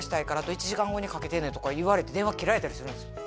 「あと１時間後にかけてね」とか言われて電話切られたりするんですよ